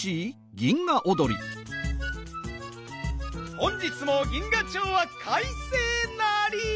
本日も銀河町はかいせいなり！